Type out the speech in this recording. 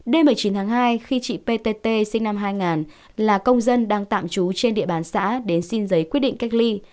đêm một mươi chín tháng hai khi chị ptt sinh năm hai nghìn là công dân đang tạm trú trên địa bàn xã đến xin giấy quyết định cách ly